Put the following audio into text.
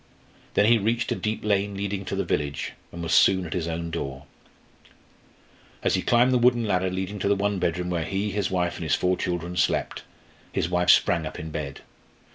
Then he reached a deep lane leading to the village, and was soon at his own door. As he climbed the wooden ladder leading to the one bedroom where he, his wife, and his four children slept, his wife sprang up in bed.